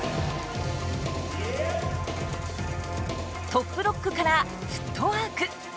トップロックからフットワーク。